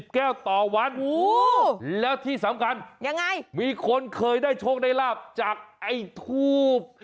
แก้วต่อวันแล้วที่สำคัญยังไงมีคนเคยได้โชคได้ลาบจากไอ้ทูบ